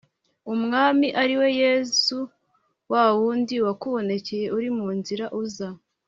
Umwami ari we yesu wa wundi wakubonekeye uri mu nzira uza